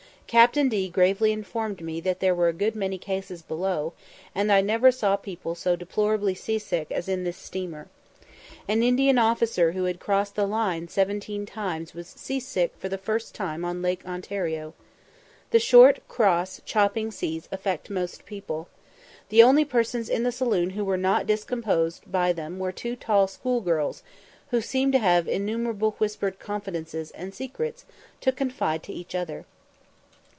Captain D gravely informed me that there were "a good many cases" below, and I never saw people so deplorably sea sick as in this steamer. An Indian officer who had crossed the Line seventeen times was sea sick for the first time on Lake Ontario. The short, cross, chopping seas affect most people. The only persons in the saloon who were not discomposed by them were two tall school girls, who seemed to have innumerable whispered confidences and secrets to confide to each other.